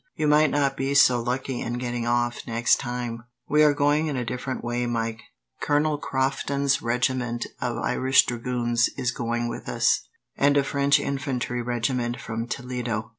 You might not be so lucky in getting off, next time." "We are going in a different way, Mike. Colonel Crofton's regiment of Irish dragoons is going with us, and a French infantry regiment from Toledo."